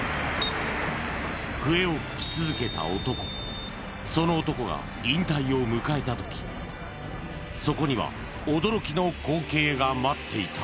笛を吹き続けた男その男が引退を迎えた時そこには驚きの光景が待っていた